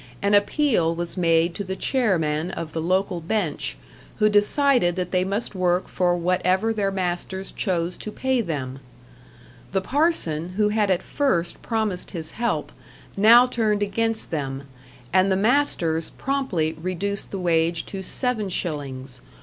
An appeal was made to the chairman of the local bench, who decided that they must work for whatever their masters chose to pay them. The parson, who had at first promised his help, now turned against them, and the masters promptly reduced the wage to 7s.